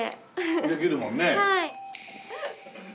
できるもんね。